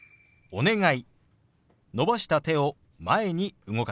「お願い」。